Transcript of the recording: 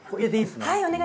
はい。